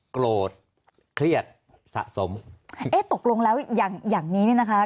โกรธเครียดสะสมตกลงแล้วอย่างนี้นะคะ